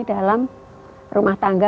dalam rumah tangga